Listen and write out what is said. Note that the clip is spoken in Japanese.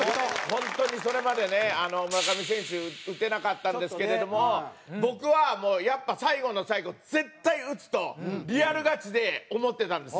本当にそれまでね村上選手打てなかったんですけれども僕はもうやっぱ最後の最後絶対打つとリアルガチで思ってたんです。